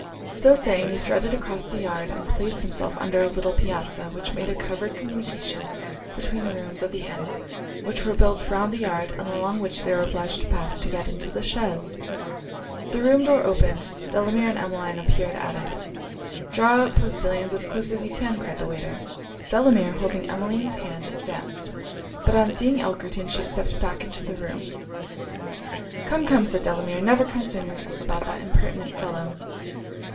So saying, he strutted across the yard, and placed himself under a little piazza which made a covered communication between the rooms of the inn which were built round the yard, and along which they were obliged to pass to get into the chaise. The room door opened Delamere and Emmeline appeared at it. 'Draw up, postillions, as close as you can,' cried the waiter. Delamere, holding Emmeline's hand, advanced; but on seeing Elkerton, she stepped back into the room. 'Come, come,' said Delamere 'never concern yourself about that impertinent fellow.'